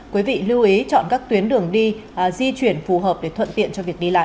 quý vị lưu ý chọn các tuyến đường đi di chuyển phù hợp để thuận tiện cho việc đi lại